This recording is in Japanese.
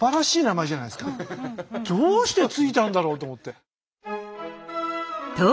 どうして付いたんだろうと思って。